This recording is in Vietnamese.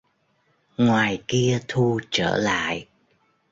Ngoài kia thu trở lại